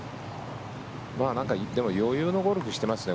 でも余裕のゴルフしていますね